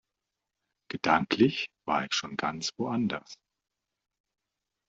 Gedanklich war ich schon ganz woanders.